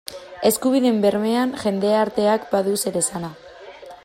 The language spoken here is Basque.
Eskubideen bermean jendarteak badu zeresana.